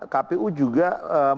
kpu juga meminta